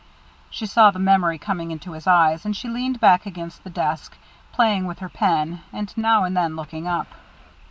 She saw the memory coming into his eyes, and she leaned back against the desk, playing with her pen, and now and then looking up.